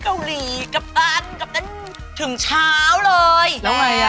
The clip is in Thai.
วันนี้ทุก๓คนลาไปแล้วนะคะ